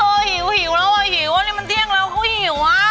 โอ้เหี่ยวแล้วนี่มันเตียงแล้วเขาเหี่ยว